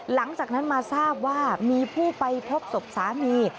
หลังจากนั้นมาทราบว่ามีผู้ไปพบศพสามี